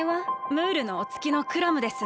ムールのおつきのクラムです。